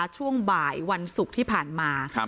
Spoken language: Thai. ช่วงบ่ายวันศุกร์ที่ผ่านมา